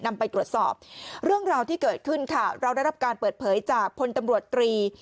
นำไปตรวจสอบเรื่องราวที่เกิดขึ้นค่ะเราได้รับการเปิดเผยจากพลตำรวจตรี